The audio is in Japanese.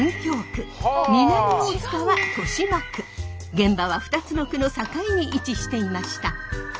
現場は２つの区の境に位置していました。